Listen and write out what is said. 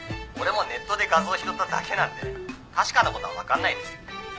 俺もネットで画像拾っただけなんで確かなことは分かんないです。